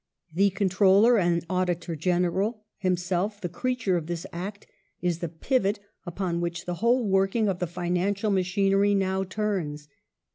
The Controller and Auditor General, him self the creature of this Act, is the pivot upon which the whole working of the financial machinery now turns.